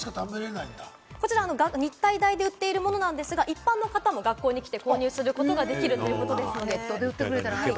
日体大で売っているものなんですが、一般の方も学校に来て購入することができるということです。